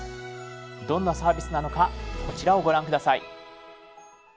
どんなサービスなのかこちらをご覧下さい。